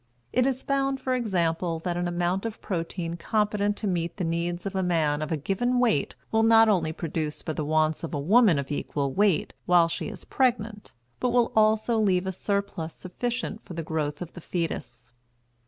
It is found, for example, that an amount of protein competent to meet the needs of a man of a given weight will not only provide for the wants of a woman of equal weight while she is pregnant, but will also leave a surplus sufficient for the growth of the fetus.